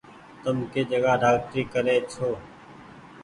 تم ڪي جگآ ڊآڪٽري ڪري ڇي۔